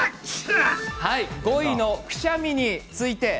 ５位のくしゃみについてです。